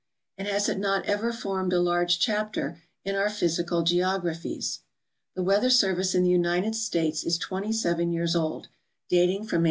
And has it not ever formed a large chapter in our physical geogra phies? The weather service in the United States is 27 years old, dating from 1870.